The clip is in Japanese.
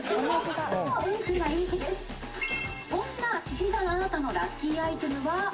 そんなしし座のあなたのラッキーアイテムは。